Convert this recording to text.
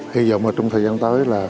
hy vọng trong thời gian tới